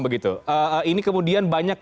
begitu ini kemudian banyak